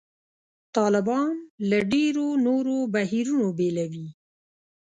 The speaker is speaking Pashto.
طالبان له ډېرو نورو بهیرونو بېلوي.